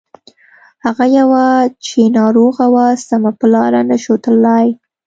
هغه يوه چې ناروغه وه سمه په لاره نه شوه تللای.